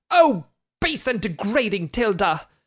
Oh! base and degrading 'Tilda!